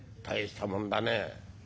たいしたもんだね。